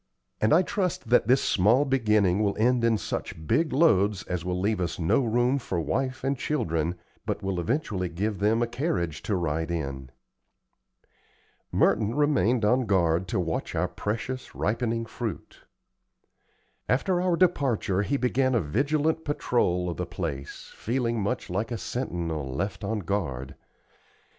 "And I trust that this small beginning will end in such big loads as will leave us no room for wife and children, but will eventually give them a carriage to ride in." Merton remained on guard to watch our precious ripening fruit. After our departure he began a vigilant patrol of the place, feeling much like a sentinel left on guard.